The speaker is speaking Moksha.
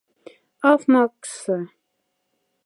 Аф максса.